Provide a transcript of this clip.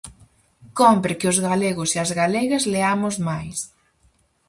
Cómpre que os galegos e as galegas leamos máis.